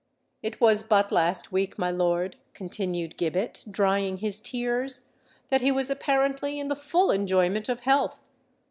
"It was but last week, my lord," continued Gibbet, drying his tears, "that he was apparently in the full enjoyment of health.